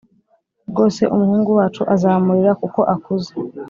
rwose umuhungu wacu azamurera kuko akuze